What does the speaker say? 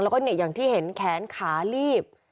แล้วก็อย่างที่เห็นแขนขาลีบ